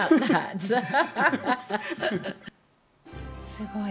すごい。